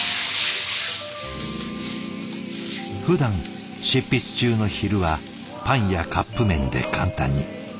ふだん執筆中の昼はパンやカップ麺で簡単に。